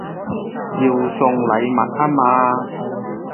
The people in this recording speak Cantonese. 要送禮物吖嘛